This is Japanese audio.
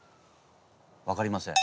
分かりません先生。